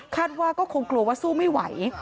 ว่าก็คงกลัวว่าสู้ไม่ไหว